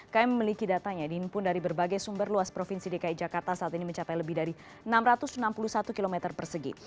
km memiliki datanya dihimpun dari berbagai sumber luas provinsi dki jakarta saat ini mencapai lebih dari enam ratus enam puluh satu km persegi